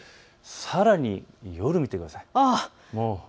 さらに夜、見てください。